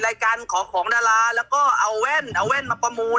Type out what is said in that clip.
รายการขอของดาราแล้วก็เอาแว่นเอาแว่นมาประมูล